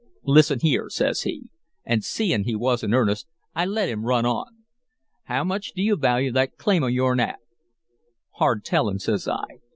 "'Listen here,' says he, an', seein' he was in earnest, I let him run on. "'How much do you value that claim o' yourn at?' "'Hard tellin',' says I.